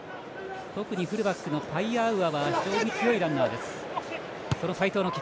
フルバックのパイアアウアは非常に強いランナーです。